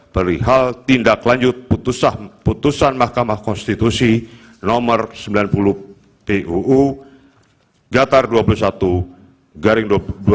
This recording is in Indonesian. perihal tindak lanjut putusan mahkamah konstitusi no sembilan puluh puu gatar dua puluh satu garing dua ribu dua puluh tiga